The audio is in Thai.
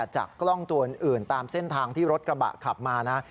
จากกล้องตัวอื่นตามเส้นทางที่รถกระบะขับมานะ